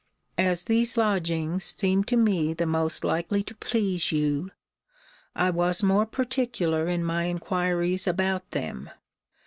As these lodgings seemed to me the most likely to please you, I was more particular in my inquiries about them.